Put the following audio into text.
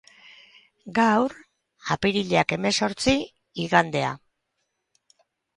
Gaur, apirilak hemezortzi, igandea.